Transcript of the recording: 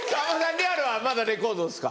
リアルはまだレコードですか？